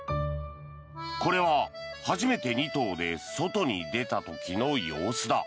これは初めて２頭で外に出た時の様子だ。